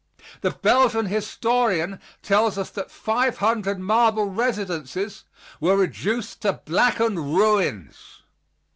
The Belgian historian tells us that 500 marble residences were reduced to blackened ruins.